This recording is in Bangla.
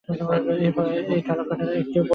এই তারকার আরও একটা গুণ আছে।